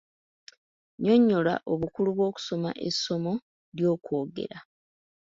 Nnyonnyola obukulu bw'okusoma essomo ly'okwogera.